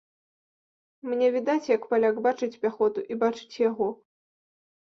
Мне відаць, як паляк бачыць пяхоту і бачыць яго.